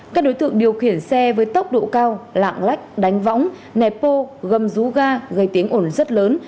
các đối tượng điều khiển xe với tốc độ cao lạng lách đánh võng nẹp ô gâm rú ga gây tiếng ổn rất lớn